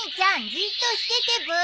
じっとしててブー。